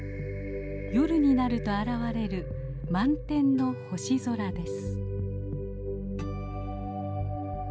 夜になると現れる満天の星空です。